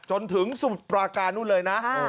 จนถึงสุดประการนู้นเลยนะ